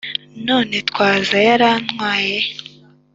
« none twaza » yarantwaye